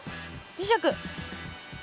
磁石。